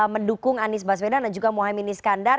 mendukung anies basmedan dan juga muhyeminis kandar